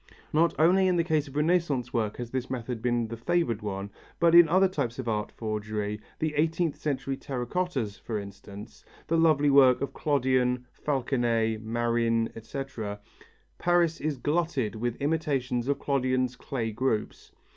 Not only in the case of Renaissance work has this method been the favoured one but in other types of art forgery, the eighteenth century terra cottas, for instance, the lovely work of Clodion, Falconnet, Marin, etc. Paris is glutted with imitations of Clodion's clay groups.